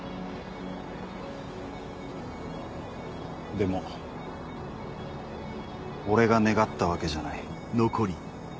でも俺が願ったわけじゃない。